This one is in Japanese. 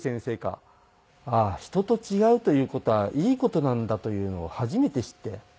人と違うという事はいい事なんだというのを初めて知って。